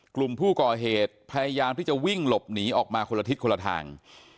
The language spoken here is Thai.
กลุ่มผู้ก่อเหตุพยายามที่จะวิ่งหลบหนีออกมาคนละทิศคนละทาง